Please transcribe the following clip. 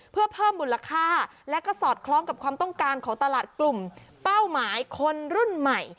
เพื่อเพิ่มมูลค่าและก็สอดคล้องกับความต้องการของตลาดกลุ่มเป้าหมายคนรุ่นใหม่